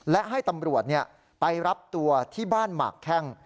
และให้ตำรวจไปรับตัวที่บ้านหมากแข้ง